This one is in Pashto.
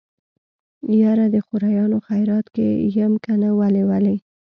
يره د خوريانو خيرات کې يم کنه ولې ولې.